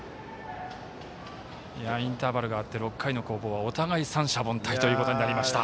インターバルがあって６回の攻防はお互い、三者凡退となりました。